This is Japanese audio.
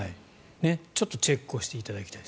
ちょっとチェックをしていただきたい。